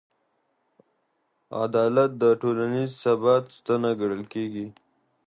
عدالت د ټولنیز ثبات ستنه ګڼل کېږي.